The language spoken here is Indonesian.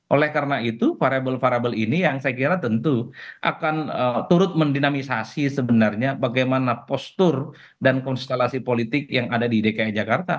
oleh karena itu variable variable ini yang saya kira tentu akan turut mendinamisasi sebenarnya bagaimana postur dan konstelasi politik yang ada di dki jakarta